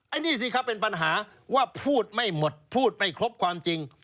อันนี้สิครับเป็นปัญหาว่าพูดไม่หมดพูดไม่ครบความจริง